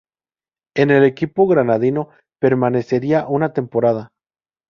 En el equipo granadino permanecería una temporada.